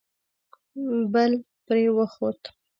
بل پرې وخوت.